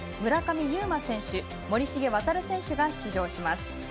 村上右磨選手森重航選手が登場します。